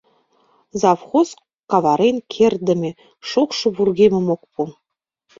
Завхоз, каварен кертдыме, шокшо вургемым ок пу.